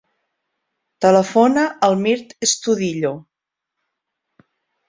Telefona al Mirt Estudillo.